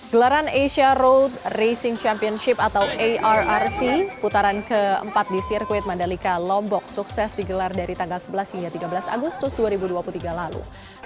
gelaran asia road racing championship atau arrc putaran keempat di sirkuit mandalika lombok sukses digelar dari tanggal sebelas hingga tiga belas agustus dua ribu dua puluh tiga lalu